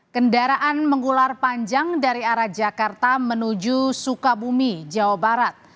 kendaraan mengular panjang dari arah jakarta menuju sukabumi jawa barat